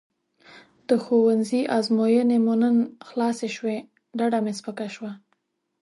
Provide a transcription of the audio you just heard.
د ښوونځي ازموینې مو نن خلاصې شوې ډډه مې سپکه شوه.